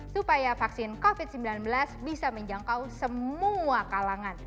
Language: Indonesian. jangan minum semua kalangan